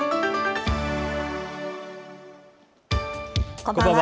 こんばんは。